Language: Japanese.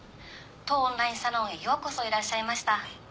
「当オンラインサロンへようこそいらっしゃいました」